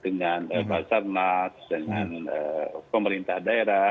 dengan pemerintah daerah